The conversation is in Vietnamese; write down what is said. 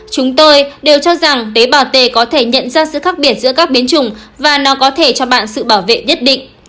chúng tôi đều cho rằng tế bào t có thể nhận ra sự khác biệt giữa các biến trùng và nó có thể cho bạn sự bảo vệ nhất định